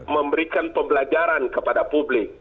memberikan pembelajaran kepada publik